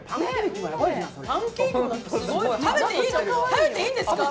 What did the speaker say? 食べていいんですか？